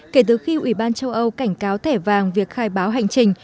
kể từ khi ủy ban châu âu cảnh cáo thẻ vàng việc khai báo hành trình